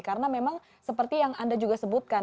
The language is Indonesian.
karena memang seperti yang anda juga sebutkan